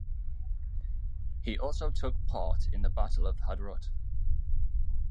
He also took part in the Battle of Hadrut.